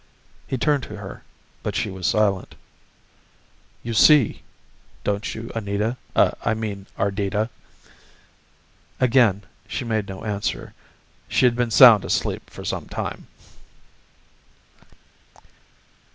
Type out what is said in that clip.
He turned to her, but she was silent. "You see, don't you, Anita I mean, Ardita?" Again she made no answer. She had been sound asleep for some time.